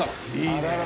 いいねえ。